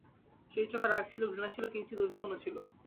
সেই চোখে রাগ ছিল, ঘৃণা ছিল, কিঞ্চিৎ অভিমানও ছিল।